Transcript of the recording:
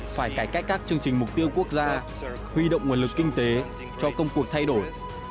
phải cải cách các chương trình mục tiêu quốc gia huy động nguồn lực kinh tế cho công cuộc thay đổi